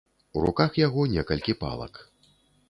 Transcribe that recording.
У руках яго некалькі палак.